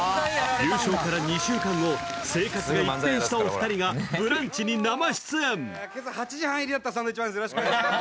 優勝から２週間後、生活が一変したお二人が「ブランチ」に生出演。